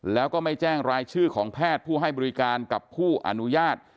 แล้วก็ไม่แจ้งรายชื่อของแพทย์ผู้ให้บริการกับผู้อนุญาต